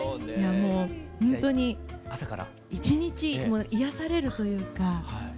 もうほんとに一日癒やされるというか。